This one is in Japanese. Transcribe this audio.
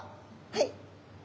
はい。